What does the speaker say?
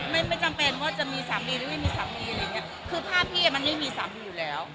ไม่จำเป็นว่าจะมีสามีหรือไม่มีสามีคือภาพพี่มันไม่มีสามีอยู่แล้ว